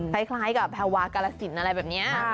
ไคลกับภาวะกรสินอะไรแบบนี้